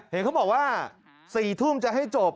เห็นเขาบอกว่า๔ทุ่มจะให้จบ